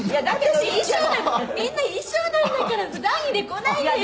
「私衣装でみんな衣装なんだから普段着で来ないでよ」